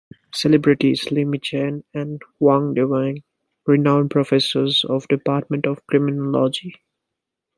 Celebrities: Li Meijin and Wang Dawei, renowned professors of Department of Criminology.